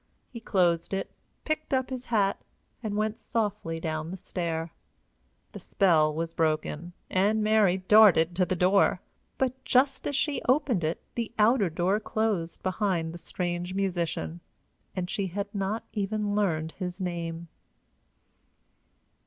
He closed it, picked up his hat, and went softly down the stair. The spell was broken, and Mary darted to the door. But, just as she opened it, the outer door closed behind the strange musician, and she had not even learned his name.